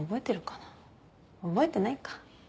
覚えてないか。